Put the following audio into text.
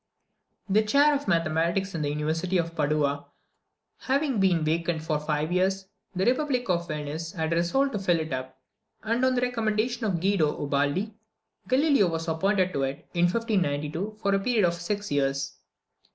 The chair of mathematics in the university of Padua having been vacant for five years, the republic of Venice had resolved to fill it up; and, on the recommendation of Guido Ubaldi, Galileo was appointed to it, in 1592, for a period of six years.